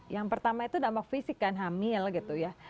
yang pertama itu dampak fisik kan hamil gitu ya